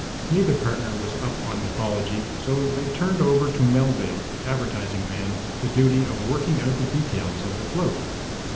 Neither partner was up on mythology, so they turned over to Melvale, the advertising man, the duty of working out the details of the float.